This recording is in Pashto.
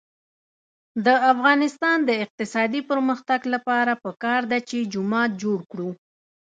د افغانستان د اقتصادي پرمختګ لپاره پکار ده چې جومات جوړ کړو.